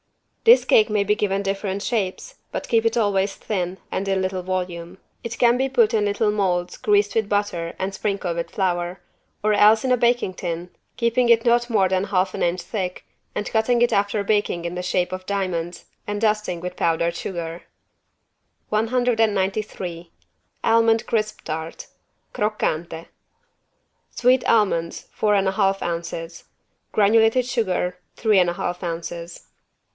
This cake may be given different shapes, but keep it always thin and in little volume. It can be put in little molds greased with butter and sprinkled with flour, or else in a baking tin, keeping it not more than half an inch thick, and cutting it after baking in the shape of diamonds and dusting with powdered sugar. 193 ALMOND CRISP TART (Croccante) Sweet almonds, four and a half ounces. Granulated sugar, three and a half ounces.